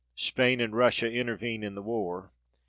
Spain and Russia intervene in the war.